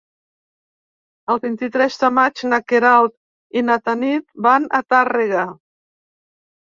El vint-i-tres de maig na Queralt i na Tanit van a Tàrrega.